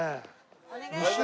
お願いします。